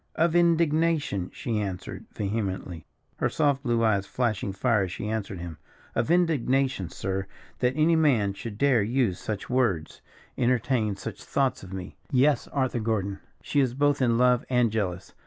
"Of indignation!" she answered, vehemently, her soft blue eyes flashing fire as she answered him. "Of indignation, sir, that any man should dare use such words, entertain such thoughts of me. Yes, Arthur Gordon, she is both in love and jealous.